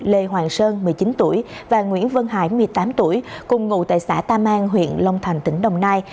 lê hoàng sơn một mươi chín tuổi và nguyễn văn hải một mươi tám tuổi cùng ngụ tại xã tam an huyện long thành tỉnh đồng nai